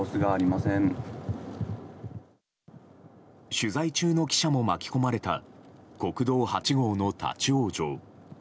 取材中の記者も巻き込まれた国道８号の立ち往生。